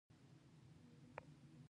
ځوان شکلونه، ځوان مخونه یې په منځ کې